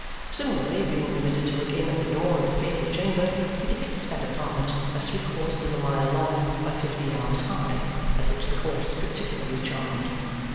Similarly, being permitted to look in at the door of the fatal chamber, he depicts that apartment as three quarters of a mile long by fifty yards high, at which the court is particularly charmed.